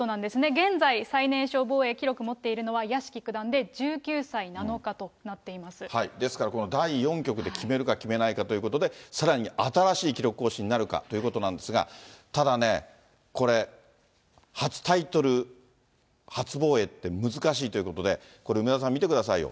現在最年少防衛記録を持っているのは屋敷九段で１９歳７日となっですからこの第４局で決めるか決めないかということで、さらに新しい記録更新になるかということなんですが、ただね、これ、初タイトル、初防衛って難しいということで、これ、梅沢さん見てくださいよ。